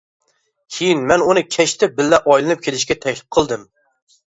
كېيىن مەن ئۇنى كەچتە بىللە ئايلىنىپ كېلىشكە تەكلىپ قىلدىم.